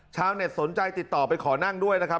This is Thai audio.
ชาวเน็ตสนใจติดต่อไปขอนั่งด้วยนะครับ